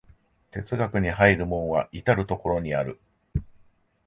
哲学に入る門は到る処にある。